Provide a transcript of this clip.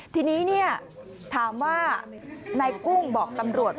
ทีนี้เนี่ยถามว่าในกุ้งบอกตำรวจ